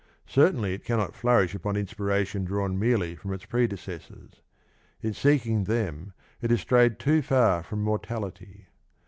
Certainly it cannot flourish upon inspiration drawn merely from its pre decessors. In seeking them it has strayed too far from mortality.